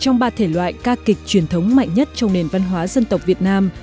trong ba thể loại ca kịch truyền thống mạnh nhất trong nền văn hóa dân tộc việt nam